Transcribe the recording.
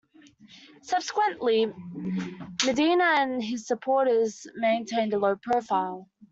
Subsequently Medina and his supporters maintained a low profile.